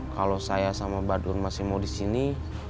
kalau saya sama badur masih mau di sini